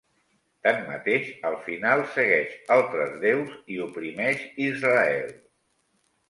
Tanmateix, al final segueix altres déus i oprimeix Israel.